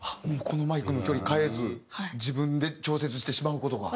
このマイクの距離変えず自分で調節してしまう事が？